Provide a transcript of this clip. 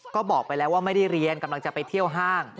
ก็บอกไปแล้วว่าไม่ได้เรียนกำลังจะไปเที่ยวห้าง